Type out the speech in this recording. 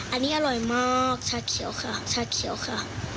อันนี้อร่อยมากชาเขียวค่ะชาเขียวค่ะ